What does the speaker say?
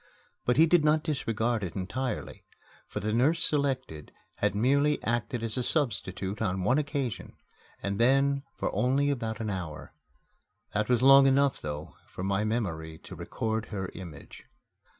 But he did not disregard it entirely, for the nurse selected had merely acted as a substitute on one occasion, and then only for about an hour. That was long enough, though, for my memory to record her image.